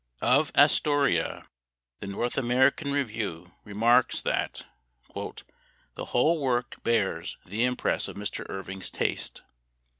Of "Astoria" the "North American Review" remarks, that " the whole work bears the im press of Mr. Irving' s taste.